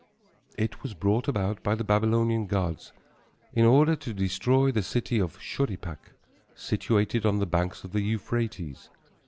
It was brought about by the Babylonian gods in order to destroy the city of Shurippak, situated on the banks of the Euphrates.